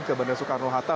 ke bandara soekarno hatta